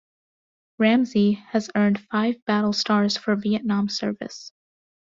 "Ramsey" has earned five battle stars for Vietnam service.